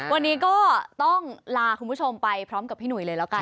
วันนี้ก็ต้องลาคุณผู้ชมไปพร้อมกับพี่หุยเลยแล้วกัน